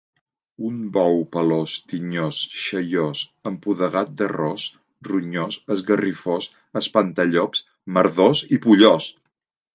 Un bou pelós, tinyós, xaiós, empudegat de ros, ronyós, esgarrifós, espantallops, merdós i pollós.